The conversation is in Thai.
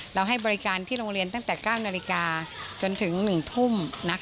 ให้บริการที่โรงเรียนตั้งแต่๙นาฬิกาจนถึง๑ทุ่ม